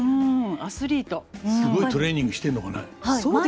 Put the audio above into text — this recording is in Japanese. すごいトレーニングしてるのかね？